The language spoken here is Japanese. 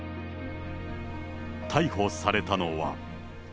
逮捕されたのは。